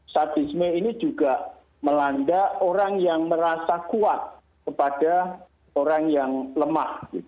sadisme ini juga melanda orang yang merasa kuat kepada orang yang lemah